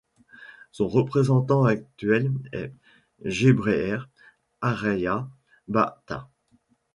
Son représentant actuel est Gebreher Araya Bahta.